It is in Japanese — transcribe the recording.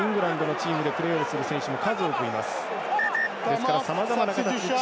フランスやイングランドチームでプレーする選手も数多くいます。